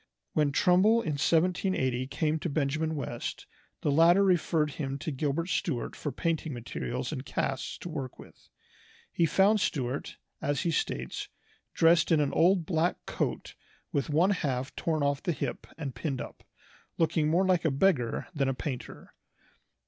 When Trumbull in 1780 came to Benjamin West, the latter referred him to Gilbert Stuart for painting materials and casts to work with. He found Stuart, as he states, "dressed in an old black coat with one half torn off the hip and pinned up, looking more like a beggar than a painter."